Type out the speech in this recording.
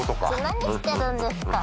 何してるんですか？